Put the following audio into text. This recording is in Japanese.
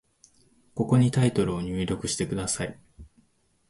ここにタイトルを入力してください。